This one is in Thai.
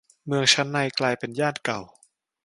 เมืองชั้นในกลายเป็นย่านเก่า